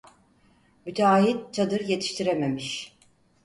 Müteahhit çadır yetiştirememiş.